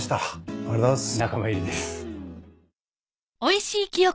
ありがとうございます。